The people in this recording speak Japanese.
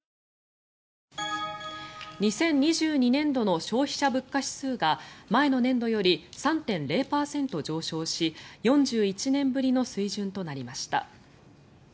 ２０２２年度の消費者物価指数が前の年度より３．０％上昇し４１年ぶりの水準となりました。